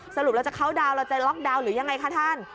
สรุปเราจะเข้าดาวน์เราจะล็อกดาวน์หรือยังไงคะท่าน